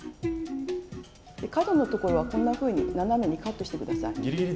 角のところはこんなふうに斜めにカットして下さい。